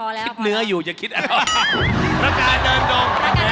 รกะเดินดง